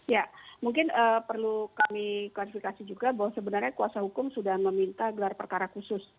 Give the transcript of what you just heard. ya mungkin perlu kami kualifikasi juga bahwa sebenarnya kuasa hukum sudah meminta gelar perkara khusus